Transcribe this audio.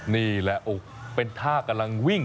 นี่แหละเป็นท่ากำลังวิ่ง